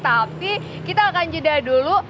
tapi kita akan jeda dulu